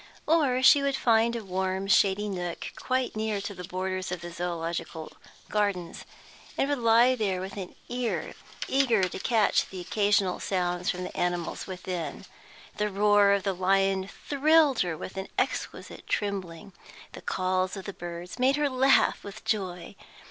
Or she would find out a warm, shady nook quite near to the borders of the Zoological Gardens, and would lie there with ear eager to catch the occasional sounds from the animals within. The roar of the lion thrilled her with an exquisite trembling; the calls of the birds made her laugh with joy.